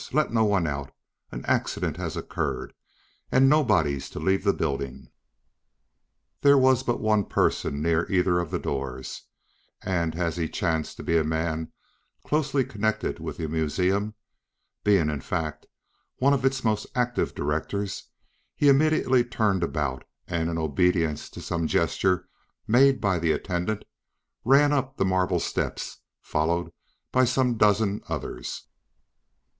Let no one out! An accident has occurred, and nobody's to leave the building." There was but one person near either of the doors, and as he chanced to be a man closely connected with the museum, being, in fact, one of its most active directors, he immediately turned about and in obedience to a gesture made by the attendant, ran up the marble steps, followed by some dozen others.